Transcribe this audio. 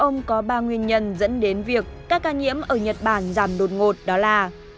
nguyên nhân dẫn đến việc các ca nhiễm ở nhật bản giảm đột ngột đó là